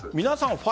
皆さん